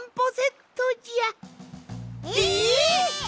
え！？